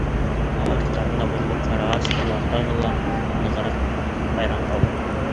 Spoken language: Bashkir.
Ә арттарына боролоп ҡарағас, улар тағы ла нығыраҡ хайран ҡала.